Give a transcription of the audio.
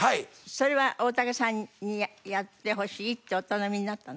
それは大竹さんにやってほしいってお頼みになったの？